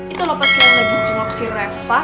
itu lo pas kira lagi jenguk si refah